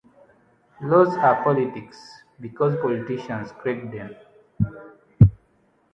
Laws are politics, because politicians create them.